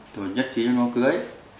rồi nhất trí cho nó cưới